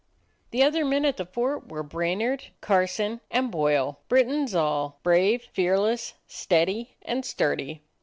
The other men at the fort were Brainard, Carson, and Boyle; Britons all; brave, fear less, steady, and sturdy.